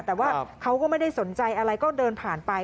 แต่ว่าเขาก็ไม่ได้สนใจอะไรก็เดินผ่านไป